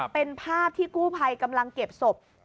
เป็นภาพที่กู้ภัยกำลังเก็บศพ